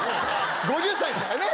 ５０歳ですからね。